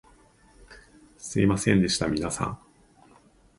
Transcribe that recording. すみませんでした皆さん